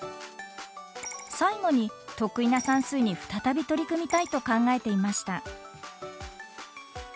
最後に得意な算数に再び取り組みたいと考えていました。